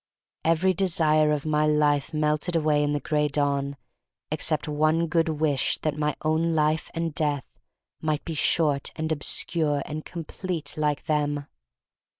Every desire of my life melted away in the Gray Dawn except one good wish that my own life and death might be short and obscure and complete like them.